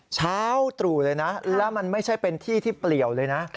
เช้าตรู่เลยนะแล้วมันไม่ใช่เป็นที่ที่เปลี่ยวเลยนะ